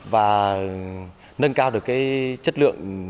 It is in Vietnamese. và nâng cao được chất lượng